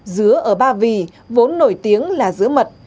dứa ở ba vì vốn nổi tiếng là dứa mật